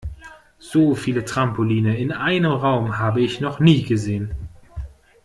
So viele Trampoline in einem Raum habe ich noch nie gesehen.